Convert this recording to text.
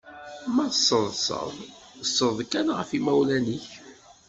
Ma teṣṣdeḍ, ṣṣed kan ɣef imawlan-ik!